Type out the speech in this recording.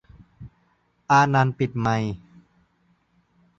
"อานันท์" ปิดไมค์